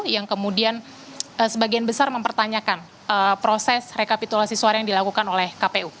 yang kemudian sebagian besar mempertanyakan proses rekapitulasi suara yang dilakukan oleh kpu